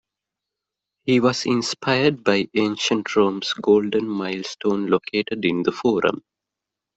He was inspired by ancient Rome's Golden Milestone located in the Forum.